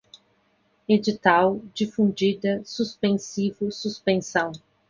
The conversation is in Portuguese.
edital, difundida, suspensivo, suspensão